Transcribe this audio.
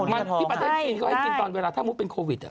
มันที่ประเทศจีนก็ให้กินตอนเวลาถ้ามุติเป็นโควิด